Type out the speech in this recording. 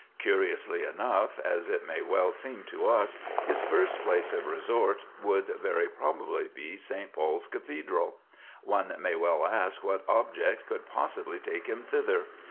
Curiously enough, as it may well seem to us, his first place of resort would very probably be St. Paul's Cathedral. One may well ask what object could possibly take him thither.